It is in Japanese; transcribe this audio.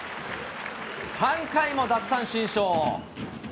３回も奪三振ショー。